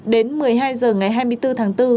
đến một mươi hai h ngày hai mươi bốn tháng bốn